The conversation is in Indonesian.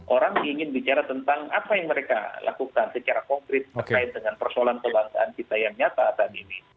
orang ingin bicara tentang apa yang mereka lakukan secara konkret terkait dengan persoalan kebangsaan kita yang nyata saat ini